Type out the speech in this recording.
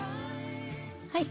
はい。